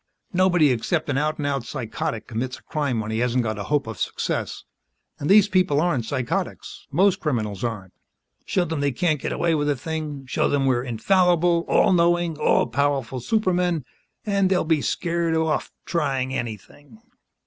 Nobody except an out and out psychotic commits a crime when he hasn't got a hope of success. And these people aren't psychotics; most criminals aren't. Show them they can't get away with a thing show them we're infallible, all knowing, all powerful supermen and they'll be scared off trying anything."